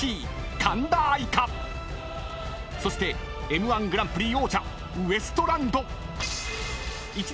［そしてＭ−１グランプリ王者ウエストランド］